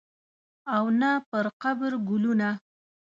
او نه پرقبر ګلونه